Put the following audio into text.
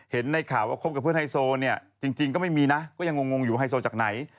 เห็นในข่าวว่าคบกับเพื่อนไฮโซเนี่ยจริงก็ไม่มีนะก็ยังงงอยู่ไฮโซจากไหน